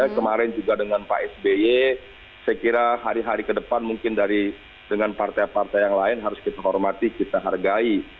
kemarin juga dengan pak sby saya kira hari hari ke depan mungkin dengan partai partai yang lain harus kita hormati kita hargai